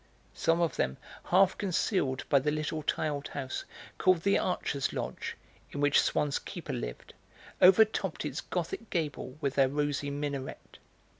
Some of them, half concealed by the little tiled house, called the Archers' Lodge, in which Swann's keeper lived, overtopped its gothic gable with their rosy minaret.